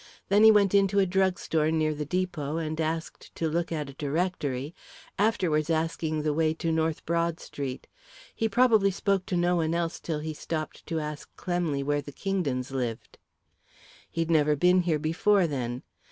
Then he went into a drugstore near the depot, and asked to look at a directory, afterwards asking the way to North Broad Street. He probably spoke to no one else till he stopped to ask Clemley where the Kingdons lived." "He'd never been here before, then."